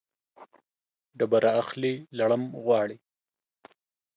ډبره اخلي ، لړم غواړي.